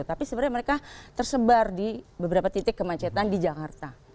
tapi sebenarnya mereka tersebar di beberapa titik kemacetan di jakarta